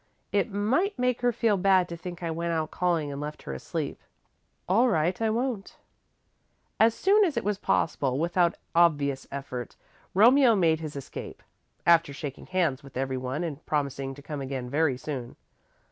It might make her feel bad to think I went out calling and left her asleep." "All right I won't." As soon as it was possible, without obvious effort, Romeo made his escape, after shaking hands with everyone and promising to come again very soon.